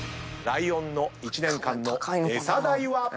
ライオンの１年間のエサ代は。